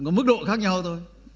có mức độ khác nhau thôi